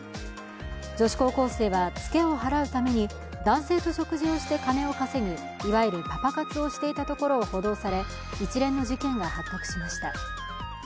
女子高校生はツケを払うために男性と食事をして金を稼ぐ、いわゆるパパ活をしていたところを補導され、一連の事件が発覚しました。